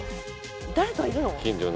誰かいるの？